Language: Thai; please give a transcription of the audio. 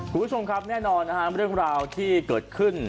คุณผู้ชมครับแน่นอนนะฮะเรื่องราวที่เกิดขึ้น